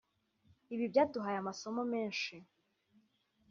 ibi byaduhaye amasomo menshi”